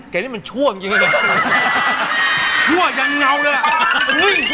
คนที่ไหนชั่วยังเหงา